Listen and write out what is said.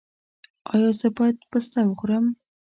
ایا زه باید پسته وخورم؟